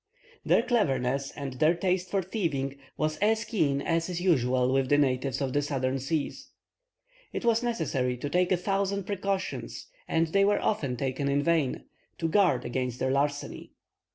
Their cleverness and their taste for thieving was as keen as is usual with the natives of the southern seas. It was necessary to take a thousand precautions, and they were often taken in vain, to guard against their larceny.